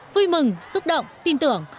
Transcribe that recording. vui mừng xúc động tin tưởng